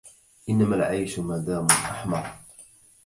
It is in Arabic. إنما العيش مدام أحمر